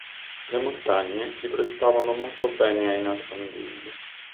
Le montagne si prestavano molto bene ai nascondigli.